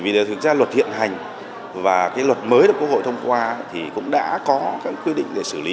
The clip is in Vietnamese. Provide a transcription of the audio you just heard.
vì thực ra luật hiện hành và cái luật mới được quốc hội thông qua thì cũng đã có các quy định để xử lý